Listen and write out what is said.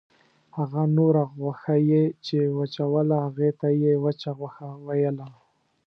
هغه نوره غوښه یې چې وچوله هغې ته یې وچه غوښه ویله.